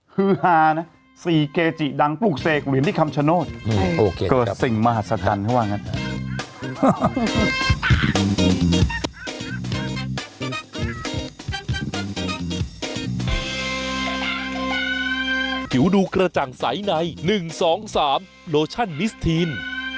ฮือฮานะ๔เกจิดังปลูกเสกเหรียญที่คำชโนธเกิดสิ่งมหัศจรรย์เขาว่างั้น